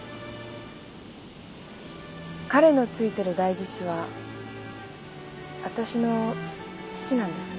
彼の付いてる代議士はわたしの父なんです。